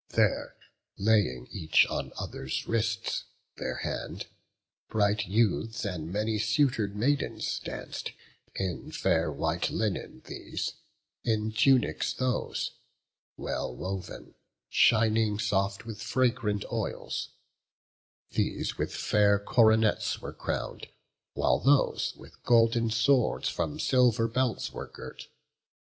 There, laying each on other's wrists their hand, Bright youths and many suitor'd maidens danc'd: In fair white linen these; in tunics those, Well woven, shining soft with fragrant oils; These with fair coronets were crown'd, while those With golden swords from silver belts were girt.